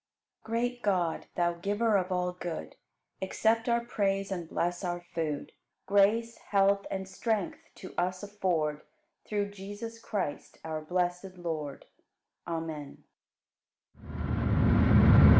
43. Great God, Thou Giver of all good, Accept our praise and bless our food. Grace, health, and strength to us afford Through Jesus Christ, our blessed Lord. Amen.